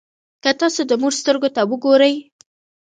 که تاسو د مور سترګو ته وګورئ.